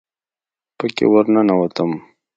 پکښې ورننوتم.